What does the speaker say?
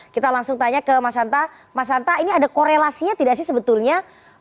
kita langsung tanya ke mas anta ini ada korelasinya tidak sih sebetulnya